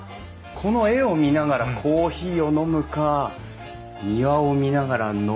この絵を見ながらコーヒーを飲むか庭を見ながら飲むか迷うね。